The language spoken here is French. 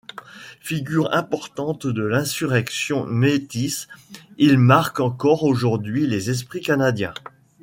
Figure importante de l'insurrection métisse, il marque encore aujourd'hui les esprits canadiens.